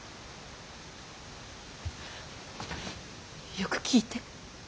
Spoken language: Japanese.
よく聞いて。